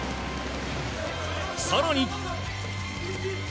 更に。